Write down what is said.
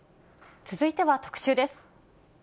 続いては特集です。